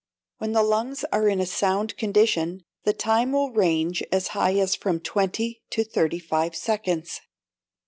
When the lungs are in a sound condition, the time will range as high as from twenty to thirty five seconds.